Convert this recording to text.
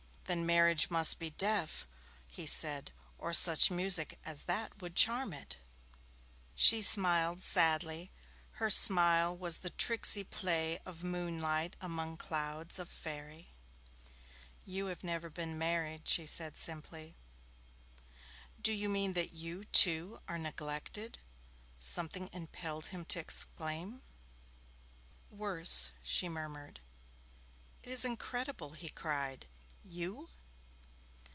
'Then, marriage must be deaf,' he said, 'or such music as that would charm it.' She smiled sadly. Her smile was the tricksy play of moonlight among clouds of faëry. 'You have never been married,' she said simply. 'Do you mean that you, too, are neglected?' something impelled him to exclaim. 'Worse,' she murmured. 'It is incredible!' he cried. 'You!'